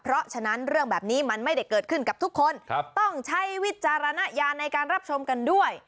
เพราะฉะนั้นเรื่องแบบนี้มันไม่ได้เกิดขึ้นกับทุกคนต้องใช้วิจารณญาณในการรับชมกันด้วย